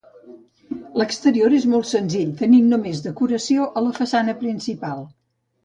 L'exterior és molt senzill, tenint només decoració a la façana principal.